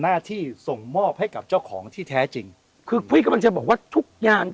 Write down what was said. หน้าที่ส่งมอบให้กับเจ้าของที่แท้จริงคือพี่กำลังจะบอกว่าทุกอย่าง